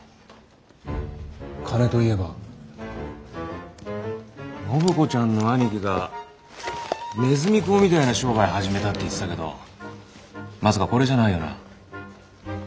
金といえば暢子ちゃんの兄貴がねずみ講みたいな商売始めたって言ってたけどまさかこれじゃないよな？